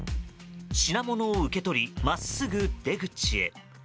品物を受け取り真っすぐ出口へ。